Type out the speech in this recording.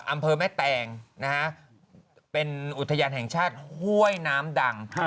อำเภอแม่แตงนะฮะเป็นอุทยานแห่งชาติห้วยน้ำดัง